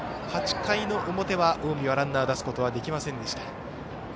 ８回の表は近江はランナーを出すことができませんでした。